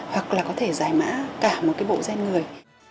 hoặc là có thể giải mã cả một cái bộ gen người